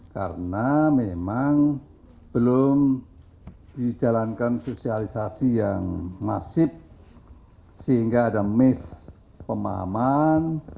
karena memang belum dijalankan sosialisasi yang masif sehingga ada miss pemahaman